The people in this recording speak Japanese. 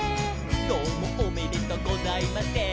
「どうもおめでとうございません」